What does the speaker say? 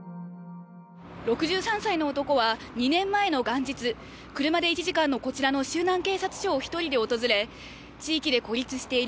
６３歳の男は２年前の元日車で１時間のこちらの周南警察署を一人で訪れ「地域で孤立している。